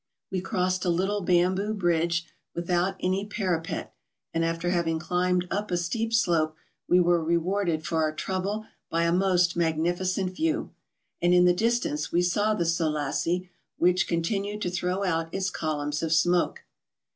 We crossed a little bamboo bridge without any pa¬ rapet, and after having climbed up a steep slope we were rewarded for our trouble by a most magnificent view. And in the distance we saw the Soelassie, which continued to throw out its columns of smoke.